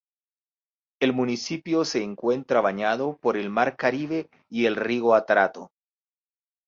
El municipio se encuentra bañado por el mar Caribe y el río Atrato.